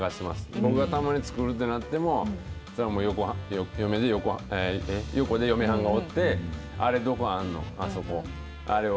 僕がたまに作るとなっても、それは横で嫁はんがおって、あれどこあんの、あそこ、あれは？